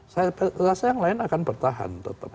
saya rasa yang lain akan bertahan